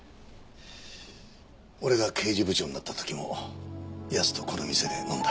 俺が刑事部長になった時も奴とこの店で飲んだ。